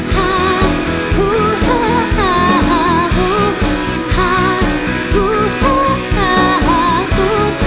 โจมตี